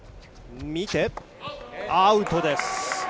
見て、アウトです。